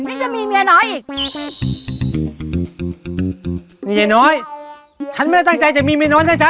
ยังจะมีเมียน้อยอีกนี่ไอ้น้อยฉันไม่ได้ตั้งใจจะมีเมียน้อยได้จ้ะ